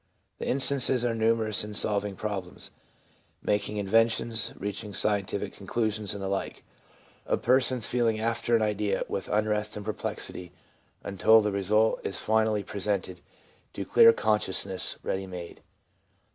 The instances are numerous in solving problems, making inventions, reaching scientific con clusions, and the like, of persons feeling after an idea with unrest and perplexity until the result is finally pre sented to clear consciousness ready made.